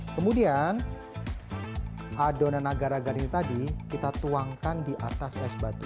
kemudian adonan agar agar ini tadi kita tuangkan di atas es batu